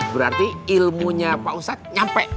berarti ilmunya pak ustadz nyampe